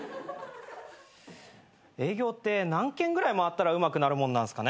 営業って何件ぐらい回ったらうまくなるもんなんすかね？